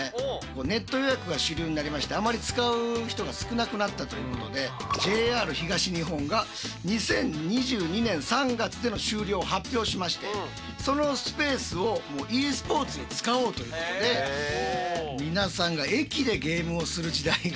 ネット予約が主流になりましてあまり使う人が少なくなったということでＪＲ東日本が２０２２年３月での終了を発表しましてそのスペースをｅスポーツに使おうということで皆さんが駅でゲームをする時代が。